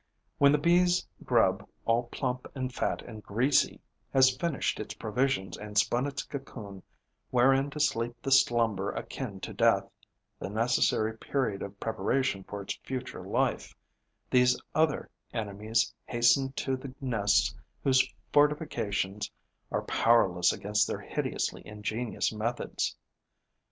When the Bee's grub, all plump and fat and greasy, has finished its provisions and spun its cocoon wherein to sleep the slumber akin to death, the necessary period of preparation for its future life, these other enemies hasten to the nests whose fortifications are powerless against their hideously ingenious methods.